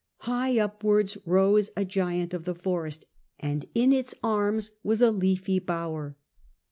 High upwards rose a giant of the forest, and in its arms was a leafy bower.